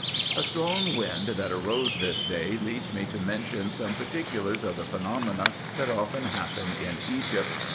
A strong wind that arose this day leads me to mention some particulars of the phenomena that often happen in Egypt.